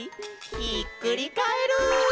ひっくりカエル！